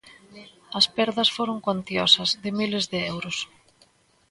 As perdas foron cuantiosas, de miles de euros.